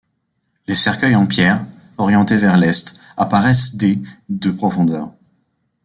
Les cercueils en pierre, orientés vers l’est, apparaissent dès de profondeur.